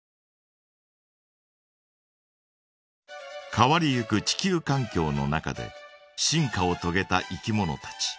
変わりゆく地球かん境の中で進化をとげたいきものたち。